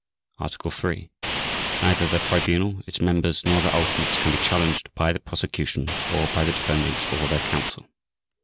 Article 3. Neither the Tribunal, its members nor their alternates can be challenged by the Prosecution, or by the defendants or their counsel.